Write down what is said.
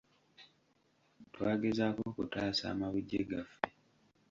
Twagezaako okutaasa amabujje gaffe.